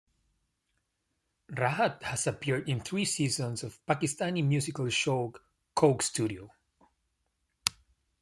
Rahat has appeared in three seasons of Pakistani musical show "Coke Studio".